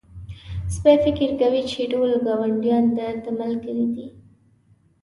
سپی فکر کوي چې ټول ګاونډيان د ده ملګري دي.